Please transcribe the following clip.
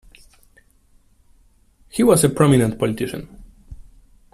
He was a prominent politician.